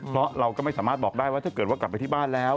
เพราะเราก็ไม่สามารถบอกได้ว่าถ้าเกิดว่ากลับไปที่บ้านแล้ว